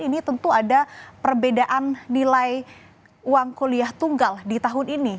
ini tentu ada perbedaan nilai uang kuliah tunggal di tahun ini